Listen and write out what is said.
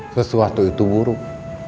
sesuatu itu buruk